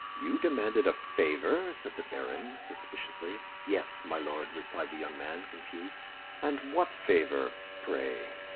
"You demanded a favor?" said the baron, suspiciously. "Yes, my Lord," replied the young man, confused. "And what favor, pray?"